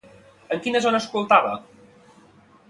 En quina zona s'ocultava?